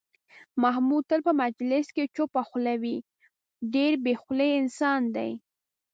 محمود تل په مجلس کې چوپه خوله وي، ډېر بې خولې انسان دی.